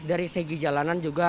dari segi jalanan juga